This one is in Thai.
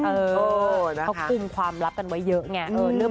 เขาคุมความลับกันไว้เยอะไง